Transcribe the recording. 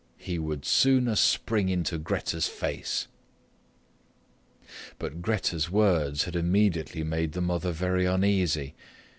He would sooner spring into Grete's face. But Grete's words had immediately made the mother very uneasy.